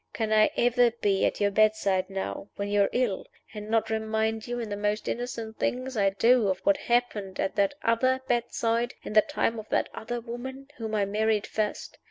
Can I ever be at your bedside now, when you are ill, and not remind you, in the most innocent things I do, of what happened at that other bedside, in the time of that other woman whom I married first?